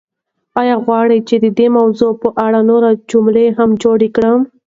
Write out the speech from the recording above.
ایا غواړئ چې د دې موضوع په اړه نورې جملې هم جوړې کړم؟